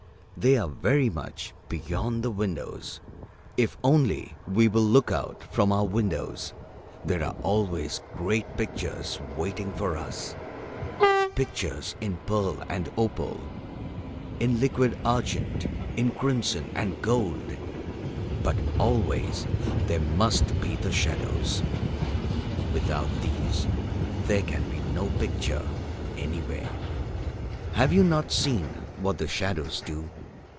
"They are very much beyond the windows. If only we will look out from our windows, there are always great pictures waiting for us pictures in pearl and opal, in liquid argent, in crimson and gold. But always there must be the shadows. Without these, there can be no picture anywhere. "Have you not seen what the shadows do?